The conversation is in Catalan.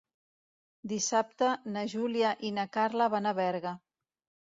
Dissabte na Júlia i na Carla van a Berga.